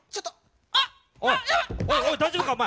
おい大丈夫かお前。